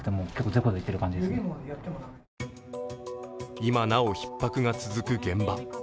今なおひっ迫が続く現場。